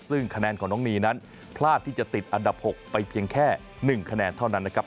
ซึ่งคะแนนของน้องนีนั้นพลาดที่จะติดอันดับ๖ไปเพียงแค่๑คะแนนเท่านั้นนะครับ